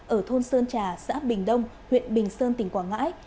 ở thôn sơn trà xã bình đông huyện bình sơn tỉnh quảng ngãi